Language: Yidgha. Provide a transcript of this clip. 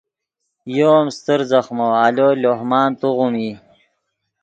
یو ام استر ځخمو آلو لوہ مان توغیم ای